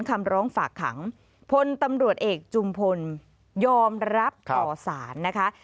คำร้องฝากขังพลตำรวจเอกจุมพลยอมรับต่อสารนะคะ